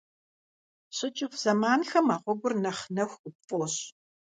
ЩыкӀыфӀ зэманхэм а гъуэгур нэхъ нэху къыпфӀощӏ.